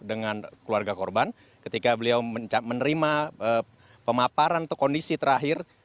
dengan keluarga korban ketika beliau menerima pemaparan atau kondisi terakhir